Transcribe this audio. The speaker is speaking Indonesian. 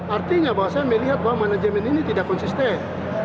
artinya bahwa saya melihat bahwa manajemen ini tidak konsisten